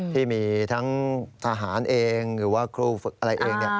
ที่มีทั้งทหารเองหรือว่าครูฝึกอะไรเอง